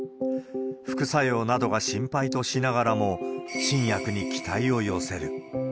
副作用などが心配としながらも、新薬に期待を寄せる。